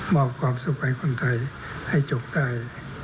อบความสุขให้คนไทยให้จบได้